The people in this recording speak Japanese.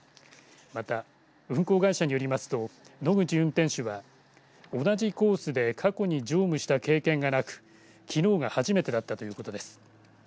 また、運行会社によりますと野口運転手は同じコースで過去に乗務した経験がなくきのうが初めてだったということです。